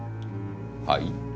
はい？